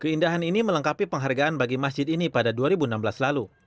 keindahan ini melengkapi penghargaan bagi masjid ini pada dua ribu enam belas lalu